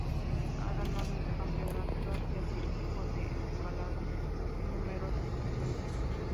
Ha ganado el Campeonato asiático de escalada en numerosas ocasiones.